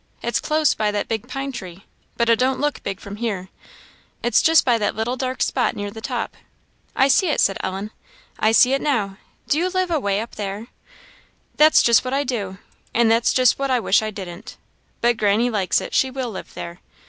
it's close by that big pine tree, but it don't look big from here it's just by that little dark spot near the top." "I see it," said Ellen "I see it now; do you live away up there?" "That's just what I do; and that's just what I wish I didn't. But granny likes it; she will live there.